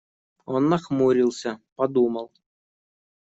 Он нахмурился, подумал.